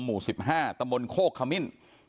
หมู่๑๕ตมโคกคมิ้น